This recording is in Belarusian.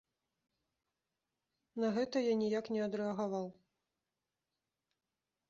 На гэта я ніяк не адрэагаваў.